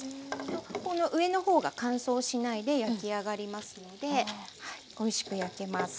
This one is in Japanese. この上の方が乾燥しないで焼き上がりますのでおいしく焼けます。